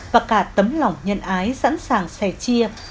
và cả tấm lòng nhân ái sẵn sàng sẻ chia